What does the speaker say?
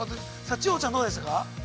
千穂ちゃん、どうでしたか。